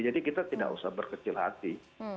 kita tidak usah berkecil hati